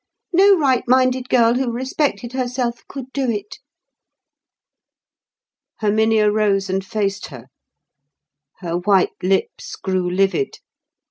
No right minded girl who respected herself could do it." Herminia rose and faced her. Her white lips grew livid.